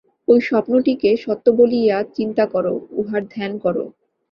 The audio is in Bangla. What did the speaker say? ঐ স্বপ্নটিকে সত্য বলিয়া চিন্তা কর, উহার ধ্যান কর।